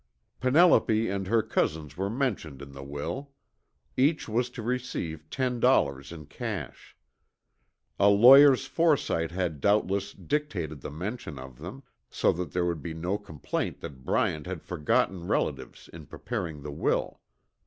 Penelope and her cousins were mentioned in the will. Each was to receive ten dollars in cash. A lawyer's foresight had, doubtless, dictated the mention of them, so that there would be no complaint that Bryant had forgotten relatives in preparing the will.